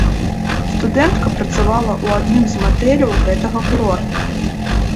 Студэнтка працавала ў адным з матэляў гэтага курорта.